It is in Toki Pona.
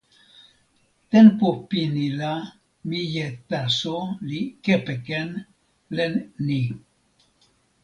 tenpo pini la mije taso li kepeken len ni.